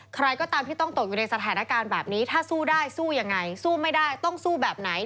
ใครก็ตามที่ต้องตกอยู่ในสถานการณ์แบบนี้ถ้าสู้ได้สู้ยังไงสู้ไม่ได้ต้องสู้แบบไหน